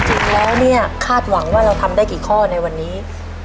จริงแล้วเนี่ยคาดหวังว่าเราทำได้กี่ข้อในวันนี้